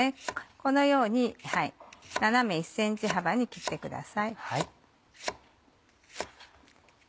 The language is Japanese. このように斜め１ｃｍ幅に切ってください。